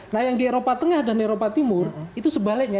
nah yang di eropa tengah dan eropa timur itu sebaliknya